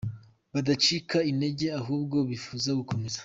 Badacika intege ahubwo bifuza gukomeza.